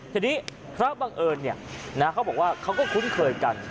ทีนี้พระบังเอิญเขาบอกว่าเขาก็คุ้นเคยกัน